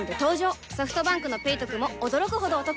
ソフトバンクの「ペイトク」も驚くほどおトク